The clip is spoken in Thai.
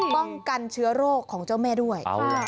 ป้องกันเชื้อโรคของเจ้าแม่ด้วย